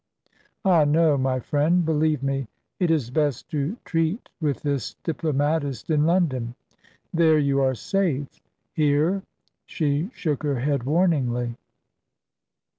Ah, no, my friend; believe me, it is best to treat with this diplomatist in London. There you are safe; here "She shook her head warningly.